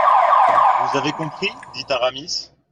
Vous avez compris ? dit Aramis.